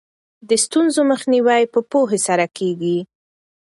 د ستونزو مخنیوی په پوهې سره کیږي.